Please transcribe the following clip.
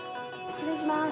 失礼します。